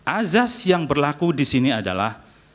azas yang berlaku di sini adalah